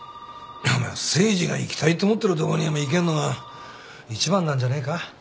いやお前誠治が行きたいと思ってるとこに行けんのが一番なんじゃねえか？